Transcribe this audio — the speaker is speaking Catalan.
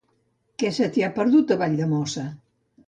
Què se t'hi ha perdut, a Valldemossa?